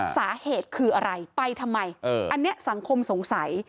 สาเหตุคืออะไรไปทำไมอันนี้สังคมสงสัย